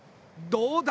どうだ？